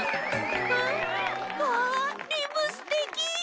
ん？わリムすてき！